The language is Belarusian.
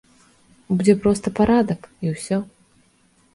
Будзе проста парадак, і ўсё.